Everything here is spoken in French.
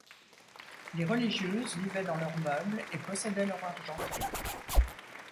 Les religieuses vivaient dans leurs meubles et possédaient leur argenterie.